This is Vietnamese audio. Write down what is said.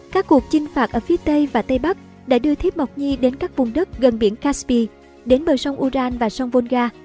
các cuộc chinh phạt ở phía tây và tây bắc đã đưa thiếp mộc nhi đến các vùng đất gần biển kashi đến bờ sông uran và sông volga